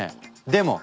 でも！